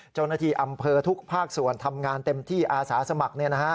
เจ้าหน้าที่อำเภอทุกภาคส่วนทำงานเต็มที่อาสาสมัคร